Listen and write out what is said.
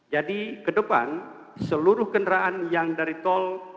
jadi kedepan seluruh kendaraan yang dari tol